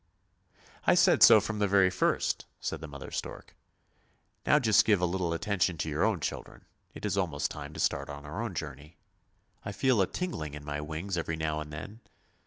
" I said so from the very first," said mother stork; " now just give a little attention to your own children, it is almost time to start on our own journey. I feel a tingling in my wings every now and then!